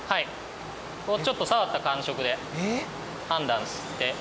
ちょっと触った感触で判断して。